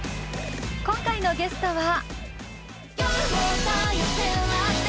今回のゲストは。